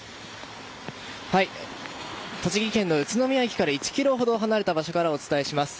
栃木県の宇都宮駅から１ｋｍほど離れた場所からお伝えします。